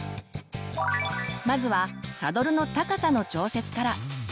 まずはサドルの高さの調節から。